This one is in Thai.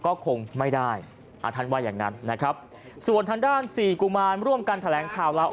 ก็คงไม่ได้ท่านว่าอย่างนั้นนะครับส่วนทางด้านสี่กุมารร่วมกันแถลงข่าวลาว